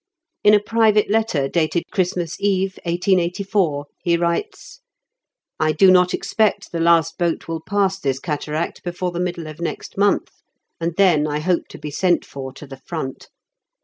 In a private letter dated Christmas Eve, 1884, he writes: "I do not expect the last boat will pass this cataract before the middle of next month, and then I hope to be sent for to the front.